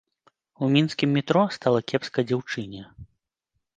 У мінскім метро стала кепска дзяўчыне.